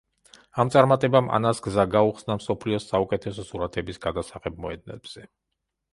ამ წარმატებამ ანას გზა გაუხსნა მსოფლიოს საუკეთესო სურათების გადასაღებ მოედნებზე.